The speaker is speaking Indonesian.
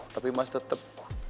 tapi mas tetap